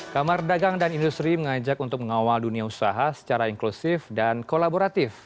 kamar dagang dan industri mengajak untuk mengawal dunia usaha secara inklusif dan kolaboratif